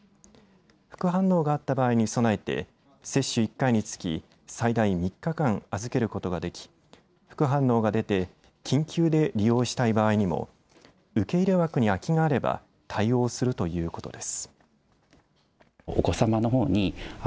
副反応があった場合に備えて接種１回につき、最大３日間預けることができ、副反応が出て緊急で利用したい場合にも受け入れ枠に空きがあれば対応するということです。